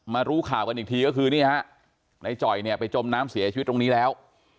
รู้ข่าวกันอีกทีก็คือนี่ฮะในจ่อยเนี่ยไปจมน้ำเสียชีวิตตรงนี้แล้ว